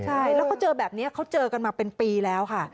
ใช่แล้วเขาเจอแบบนี้เขาเจอกันมาเป็นปีแล้วค่ะ